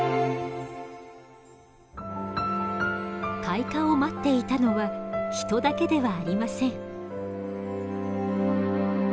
開花を待っていたのは人だけではありません。